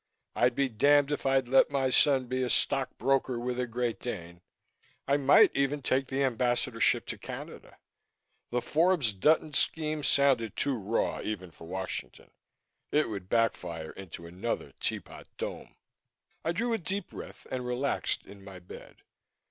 I'd be damned if I'd let my son be a stock broker with a Great Dane I might even take the Ambassadorship to Canada. The Forbes Dutton scheme sounded too raw even for Washington it would backfire into another Teapot Dome. I drew a deep breath and relaxed in my bed.